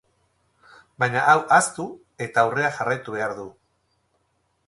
Baina hau ahaztu, eta aurrea jarraitu behar du.